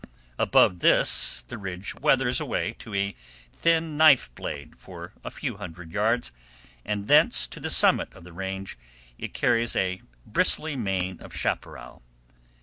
Above this the ridge weathers away to a thin knife blade for a few hundred yards, and thence to the summit of the range it carries a bristly mane of chaparral.